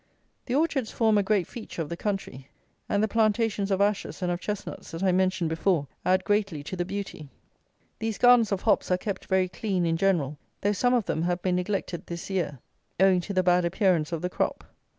The orchards form a great feature of the country; and the plantations of Ashes and of Chestnuts that I mentioned before, add greatly to the beauty. These gardens of hops are kept very clean, in general, though some of them have been neglected this year owing to the bad appearance of the crop.